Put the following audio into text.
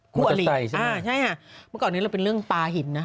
คู่อริใช่ไหมคะพ่อพ่อก่อนนี้เป็นเรื่องปลาหินนะ